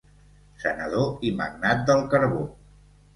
Senador i magnat del carbó.